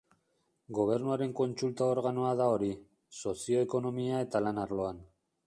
Gobernuaren kontsulta-organoa da hori, sozio-ekonomia eta lan arloan.